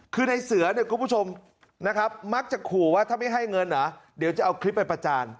คือในเสือเนี่ยคุณผู้ชมนะครับมักจะขู่ว่าถ้าไม่ให้เงินเหรอเดี๋ยวจะเอาคลิปไปประจาน